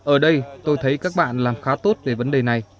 ở đây tôi thấy các bạn làm khá tốt về vấn đề này